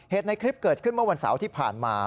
ในคลิปเกิดขึ้นเมื่อวันเสาร์ที่ผ่านมา